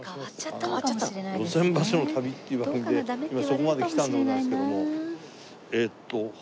『路線バスの旅』っていう番組で今そこまで来たんでございますけども。